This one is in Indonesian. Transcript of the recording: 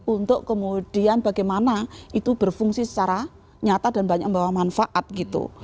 untuk kemudian bagaimana itu berfungsi secara nyata dan banyak membawa manfaat gitu